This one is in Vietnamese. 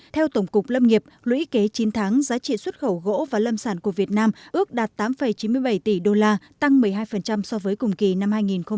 theo tổng cục lâm nghiệp lũy kế chín tháng giá trị xuất khẩu gỗ và lâm sản của việt nam ước đạt tám chín mươi bảy tỷ đô la tăng một mươi hai so với cùng kỳ năm hai nghìn một mươi tám